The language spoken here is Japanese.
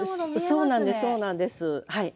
そうなんですそうなんですはい。